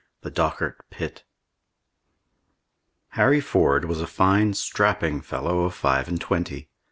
THE DOCHART PIT Harry Ford was a fine, strapping fellow of five and twenty.